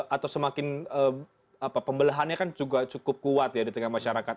atau semakin pembelahannya kan juga cukup kuat ya di tengah masyarakat